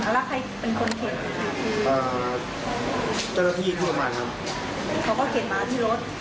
จะมีโรงพยาบาลบางมศอีเหมือนว่าเราจะเดิน๒๐นาที